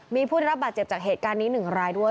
มีผู้ได้รับบาดเจ็บจากเหตุการณ์นี้๑รายด้วย